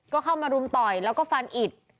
ก็เข้ามารุมต่อยแล้วก็ฟันอิด